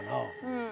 うん。